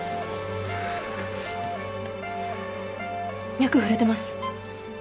脈触れてます。